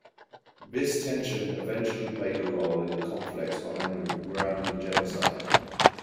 This tension eventually played a role in the conflicts behind the Rwandan genocide.